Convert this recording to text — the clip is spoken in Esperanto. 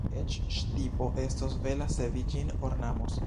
Eĉ ŝtipo estos bela, se vi ĝin ornamos.